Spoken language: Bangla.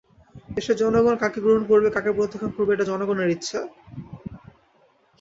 দেশের জনগণ কাকে গ্রহণ করবে, কাকে প্রত্যাখ্যান করবে, এটা জনগণের ইচ্ছা।